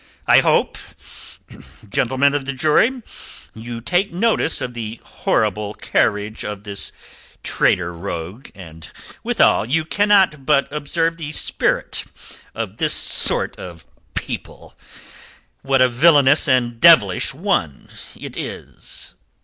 "I hope, gentlemen of the jury, you take notice of the horrible carriage of this traitor rogue, and withal you cannot but observe the spirit of this sort of people, what a villainous and devilish one it is.